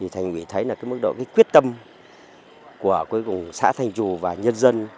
thành ủy thấy là cái mức độ quyết tâm của cuối cùng xã thanh chù và nhân dân